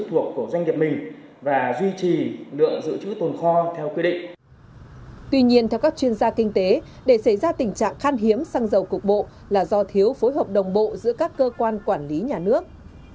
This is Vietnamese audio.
tuy nhiên theo các chuyên gia kinh tế để xảy ra tình trạng khan hiếm xăng dầu cục bộ là do thiếu phối hợp đồng bộ giữa các cơ quan quản lý nhà nước